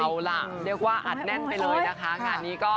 เอาล่ะเรียกว่าอัดแน่นไปเลยนะคะ